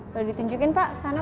kalau ditunjukkan ke sana